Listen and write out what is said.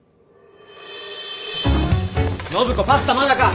暢子パスタまだか！